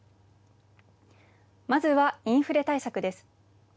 まずはインフレ対策です。